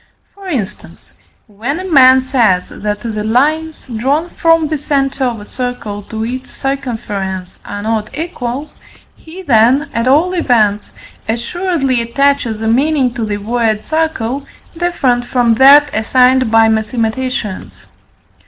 For instance, when a man says that the lines drawn from the centre of a circle to its circumference are not equal, he then, at all events, assuredly attaches a meaning to the word circle different from that assigned by mathematicians.